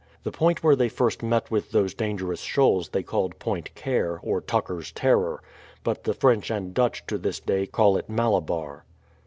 The point where they first met with those dangerous shoals they called Point Care, or Tucker's Terror ; but the French and Dutch to this day call it Malabar.